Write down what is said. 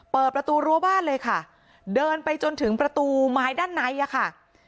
เปิดประตูรั้วบ้านเลยค่ะเดินไปจนถึงประตูไม้ด้านในอะค่ะ